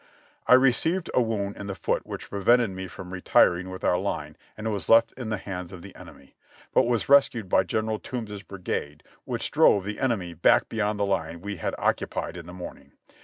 "I received a wound in the foot which prevented me from retiring with our line and was left in the hands of the enemy, but was rescued by General Toombs's brigade, which drove the enemy back beyond the line we had occupied in the morning.